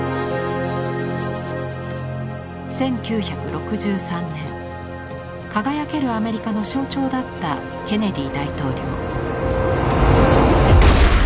１９６３年輝けるアメリカの象徴だったケネディ大統領。